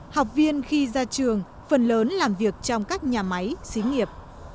học viên khi ra trường phần lớn làm việc trong các nhà máy xí nghiệp